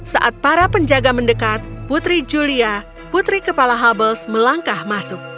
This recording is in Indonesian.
saat para penjaga mendekat putri julia putri kepala hubbles melangkah masuk